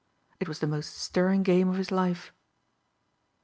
It was the most stirring game of his life.